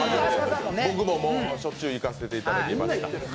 僕も、しょっちゅう行かせていただきました。